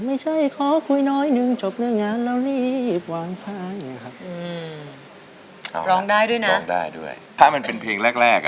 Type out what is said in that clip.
ไม่ใช่ขอคุยน้อยนึง